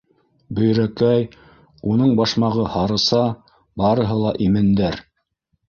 Бөйрәкәй, уның башмағы, Һарыса - барыһы ла имендәр.